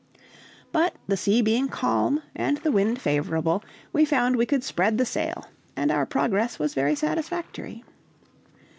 But the sea being calm and the wind favorable, we found we could spread the sail, and our progress was very satisfactory.